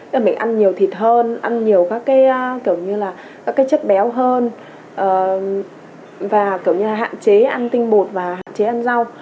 tức là mình ăn nhiều thịt hơn ăn nhiều các cái kiểu như là các cái chất béo hơn và kiểu như là hạn chế ăn tinh bột và hạn chế ăn rau